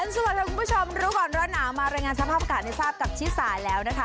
สวัสดีคุณผู้ชมรู้ก่อนร้อนหนาวมารายงานสภาพอากาศให้ทราบกับชิสาแล้วนะคะ